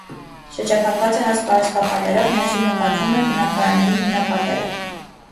Շրջափակված է հաստ պարսպապատերով, ներսում նկատվում են բնակարանների հիմնապատերը։